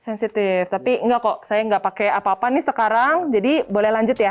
sensitif tapi enggak kok saya nggak pakai apa apa nih sekarang jadi boleh lanjut ya